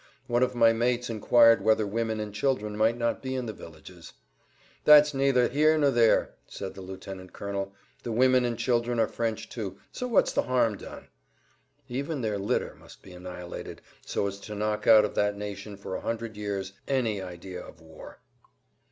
One of my mates inquired whether women and children might not be in the villages.[Pg 153] "That's neither here nor there," said the lieutenant colonel, "the women and children are French, too, so what's the harm done? Even their litter must be annihilated so as to knock out of that nation for a hundred years any idea of war."